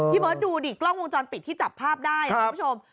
เบิร์ตดูดิกล้องวงจรปิดที่จับภาพได้คุณผู้ชม